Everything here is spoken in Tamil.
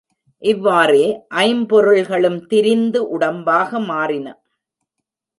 இவ்வாறே, ஐம்பொருள்களும் திரிந்து உடம்பாக மாறின.